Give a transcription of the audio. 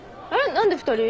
何で２人？